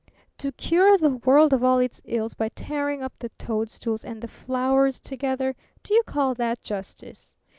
"To cure the world of all its ills by tearing up the toadstools and the flowers together do you call that justice?